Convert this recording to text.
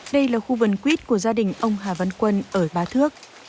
đây là khu vườn quyết của gia đình ông hà văn quân ở bá thước